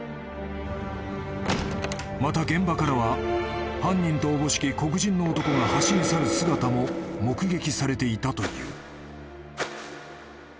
［また現場からは犯人とおぼしき黒人の男が走り去る姿も目撃されていたという］